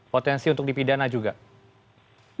potensi untuk dipidanakan